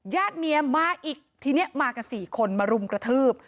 ญาติเมียมาอีกทีนี้มากัน๔คนมารุมกระทืบ